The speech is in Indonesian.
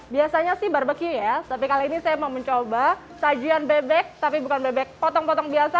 biasanya sih barbecue ya tapi kali ini saya mau mencoba sajian bebek tapi bukan bebek potong potong biasa